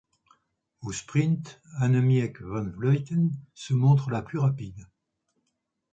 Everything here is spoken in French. Au sprint, Annemiek van Vleuten se montre la plus rapide.